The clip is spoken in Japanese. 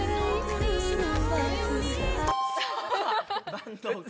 坂東君